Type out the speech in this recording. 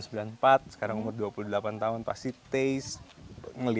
sekarang umur dua puluh delapan tahun pasti taste